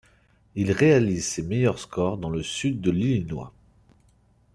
Il réalise ses meilleurs scores dans le sud de l'Illinois.